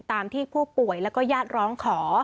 ตามที่ผู้ป่วยแล้วก็ญาติร้องขอ